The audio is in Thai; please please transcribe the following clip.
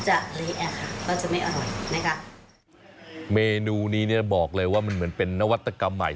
อ่ะค่ะก็จะไม่อร่อยนะคะเมนูนี้เนี้ยบอกเลยว่ามันเหมือนเป็นนวัตกรรมใหม่